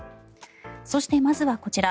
そして、まずはこちら。